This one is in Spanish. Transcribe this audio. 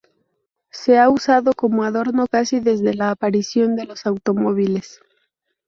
Se ha usado como adorno casi desde la aparición de los automóviles.